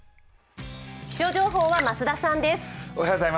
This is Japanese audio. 気象情報は増田さんです。